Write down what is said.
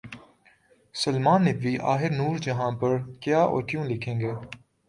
سلیمان ندوی آخر نورجہاں پر کیا اور کیوں لکھیں گے؟